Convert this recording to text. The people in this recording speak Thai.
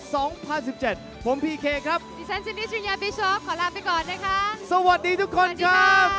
สองพันสิบเจ็ดผมพี่เคครับขอลาไปก่อนนะคะสวัสดีทุกคนค่ะ